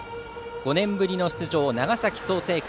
５年ぶりの出場、長崎・創成館。